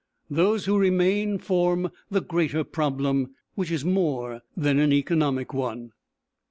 Those who remain form the greater problem, which is more than an economic one.